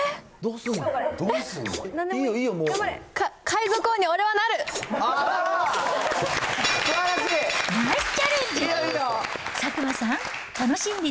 すばらしい。